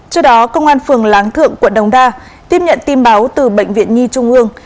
trước đó công an phường láng thượng quận đông đa tiếp nhận tin báo từ bệnh viện nhi trung ương